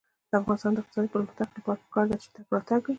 د افغانستان د اقتصادي پرمختګ لپاره پکار ده چې تګ راتګ وي.